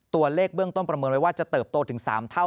ตัวเลขเบื้องต้นประเมินไว้ว่าจะเติบโตถึง๓เท่า